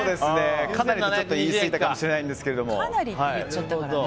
かなり言い過ぎたかもしれないんですけど。